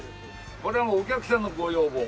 これはもうお客さんのご要望。